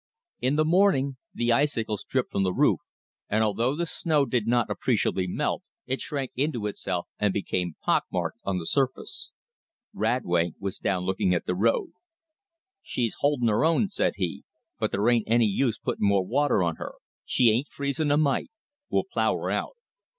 In the morning the icicles dripped from the roof, and although the snow did not appreciably melt, it shrank into itself and became pock marked on the surface. Radway was down looking at the road. "She's holdin' her own," said he, "but there ain't any use putting more water on her. She ain't freezing a mite. We'll plow her out."